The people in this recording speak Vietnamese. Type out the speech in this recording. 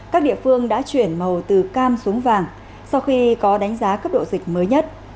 các địa phương đã chuyển màu từ cam xuống vàng sau khi có đánh giá cấp độ dịch mới nhất